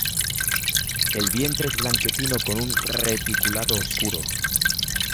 El vientre es blanquecino con un reticulado oscuro.